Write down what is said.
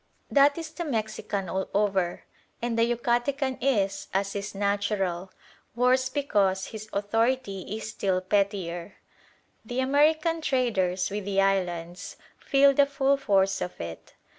That is the Mexican all over; and the Yucatecan is, as is natural, worse because his authority is still pettier. The American traders with the islands feel the full force of it.